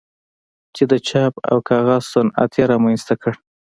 چې د چاپ او کاغذ صنعت یې رامنځته کړ.